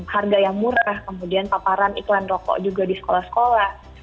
harga yang murah kemudian paparan iklan rokok juga di sekolah sekolah